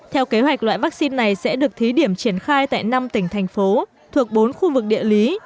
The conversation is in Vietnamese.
theo kế hoạch loại vaccine này sẽ được thí điểm triển khai tại năm tỉnh thành phố thuộc bốn khu vực địa lý